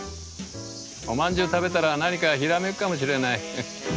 お饅頭食べたら何かひらめくかもしれない。